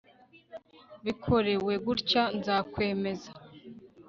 bikorewe gutya nzakwemeza